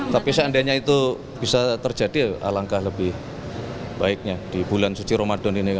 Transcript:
tapi seandainya itu bisa terjadi alangkah lebih baiknya di bulan suci ramadan ini